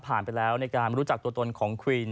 ไปแล้วในการรู้จักตัวตนของควีน